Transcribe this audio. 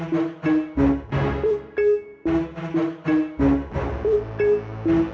saya perlu ikut kang